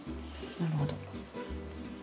なるほど。